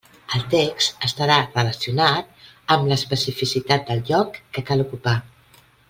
El text estarà relacionat amb l'especificitat del lloc que cal ocupar.